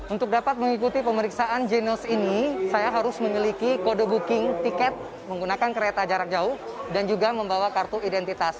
untuk dapat mengikuti pemeriksaan genos ini saya harus memiliki kode booking tiket menggunakan kereta jarak jauh dan juga membawa kartu identitas